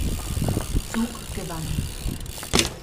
Zug gewann.